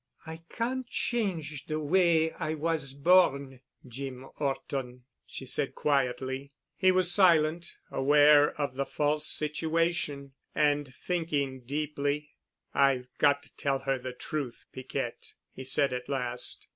"I can't change de way I was born, Jeem 'Orton," she said quietly. He was silent, aware of the false situation, and thinking deeply. "I've got to tell her the truth, Piquette," he said at last.